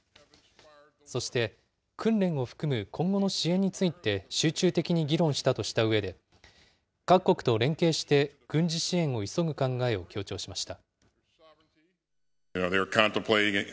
そして、訓練を含む今後の支援について集中的に議論したとしたうえで、各国と連携して軍事支援を急ぐ考えを強調しました。